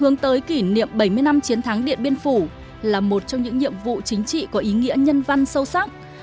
năm chiến thắng điện biên phủ là một trong những nhiệm vụ chính trị có ý nghĩa nhân văn sâu sắc